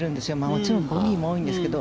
もちろんボギーも多いんですけど。